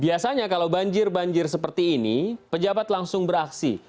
biasanya kalau banjir banjir seperti ini pejabat langsung beraksi